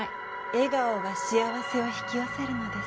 笑顔が幸せを引き寄せるのです。